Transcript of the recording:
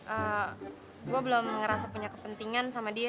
ee gue belum ngerasa punya kepentingan sama dia